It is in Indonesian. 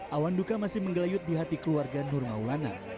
awan duka masih menggelayut di hati keluarga nur maulana